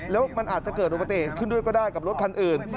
แล้วมันอาจจะเกิดอุบัติเหตุขึ้นด้วยก็ได้กับรถคันอื่น